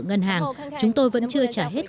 ngân hàng chúng tôi vẫn chưa trả hết